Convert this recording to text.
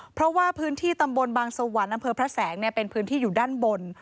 เพราะว่าพื้นที่ตำบลบางสวรรค์อำเภอพระแสงเป็นพื้นที่อยู่ด้านบน